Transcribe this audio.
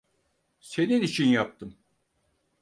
Senin için yaptım.